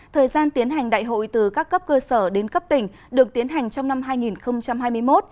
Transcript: thời gian tiến hành đại hội từ các cấp cơ sở đến cấp tỉnh được tiến hành trong năm hai nghìn hai mươi một